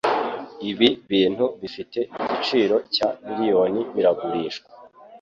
Ibi bintu bifite igiciro cya million biragurishwa.